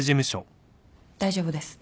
大丈夫です。